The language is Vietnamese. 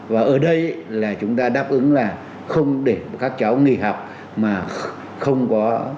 và ở đây là chúng ta đáp ứng là không để các cháu nghỉ học